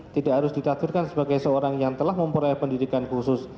tidak harus ditakdirkan sebagai seorang yang telah memperoleh pendidikan khusus